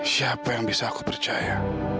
siapa yang bisa aku percaya